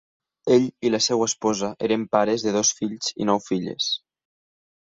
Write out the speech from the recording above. Ell i la seva esposa eren pares de dos fills i nou filles.